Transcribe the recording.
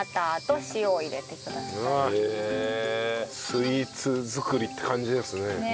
スイーツ作りって感じですね。